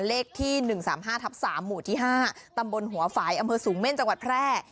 เลขที่๑๓๕ทับ๓หมู่ที่๕ตำบลหัวฝ่ายอำเภอสูงเม่นจังหวัดแพร่